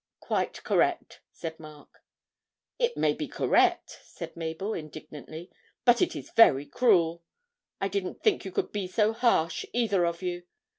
'Quite correct,' said Mark. 'It may be correct,' cried Mabel indignantly, 'but it is very cruel! I didn't think you could be so harsh, either of you.